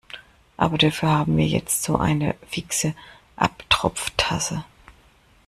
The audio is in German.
Aber dafür haben wir jetzt so eine fixe Abtropftasse.